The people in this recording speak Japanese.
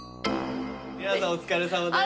皆さんお疲れさまです。